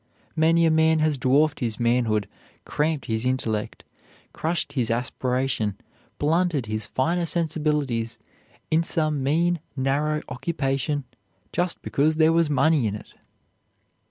Many a man has dwarfed his manhood, cramped his intellect, crushed his aspiration, blunted his finer sensibilities, in some mean, narrow occupation just because there was money in it.